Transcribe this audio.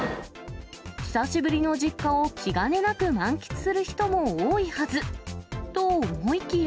久しぶりの実家を、気兼ねなく満喫する人も多いはず。と思いきや。